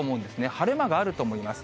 晴れ間があると思います。